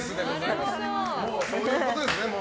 そういうことですね。